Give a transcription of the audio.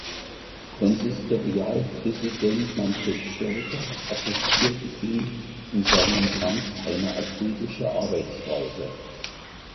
Konsistorialpräsident Manfred Stolpe attestierte ihm in seinem Amt eine „akribische Arbeitsweise“.